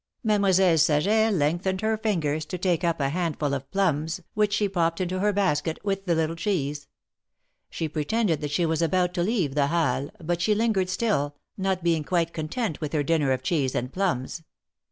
Mademoiselle Saget lengthened her fingers to take up a 246 THE MARKETS OF PARIS. handful of plums, which she popped into her basket with the little cheese. She pretended that she was about to leave the Halles, but she lingered still, not being quite content with her dinner of cheese and plums.